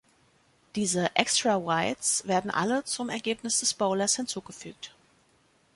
Diese „Extra Wides“ werden alle zum Ergebnis des Bowlers hinzugefügt.